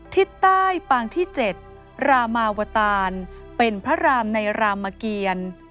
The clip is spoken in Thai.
ทิศใต้ปางที่๗รามาวตานเป็นพระรามในรามเกียร